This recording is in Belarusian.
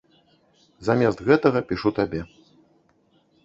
Замест гэтага пішу табе.